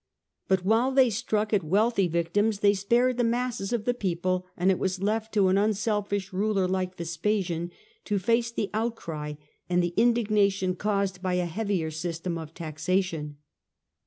But while they struck at wealthy victims they spared the masses of the people, and it was left to an unselfish ruler like Vespasian to face the outcry and the indignation caused by a heavier system of taxation.